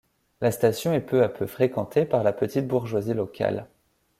La station est peu à peu fréquentée par la petite bourgeoisie locale.